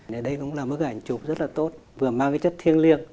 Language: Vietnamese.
thì đây cũng là bức ảnh chụp rất là tốt vừa mang cái chất thiêng liêng